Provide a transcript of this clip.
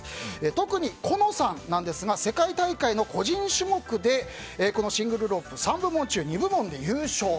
特に小暖さんですが世界大会の個人種目でこのシングルロープ３部門中２部門で優勝。